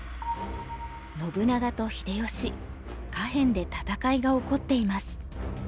信長と秀吉下辺で戦いが起こっています。